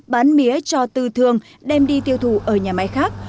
bán mía cho tư thương đem đi tiêu thụ ở nhà máy khác